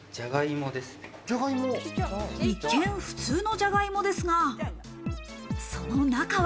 一見、普通のじゃがいもですが、その中は。